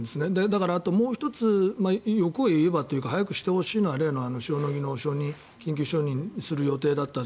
だからあともう１つ欲を言えばというか早くしてほしいのは例の塩野義の緊急承認する予定だった。